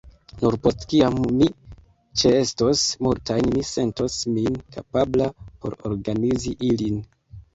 Nur post kiam mi ĉeestos multajn mi sentos min kapabla por organizi ilin.